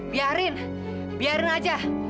biarin biarin aja